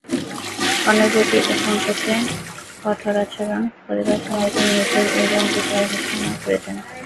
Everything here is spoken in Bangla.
অন্যের প্রতি অসংকোচে কঠোরাচরণ করিবার সময় তিনি নিজের এই গুণটি প্রায়ই ঘোষণা করিতেন।